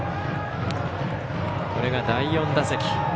これが第４打席。